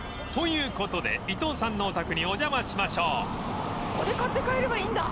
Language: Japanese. わあここで買って帰ればいいんだ。